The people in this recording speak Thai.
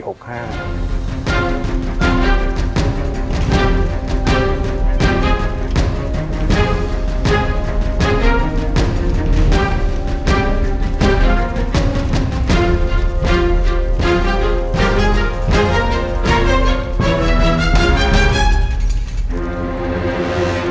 โปรดติดตามตอนต่อไป